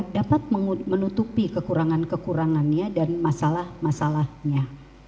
dapat menutupi kekurangan kekurangannya dan masalah masalahnya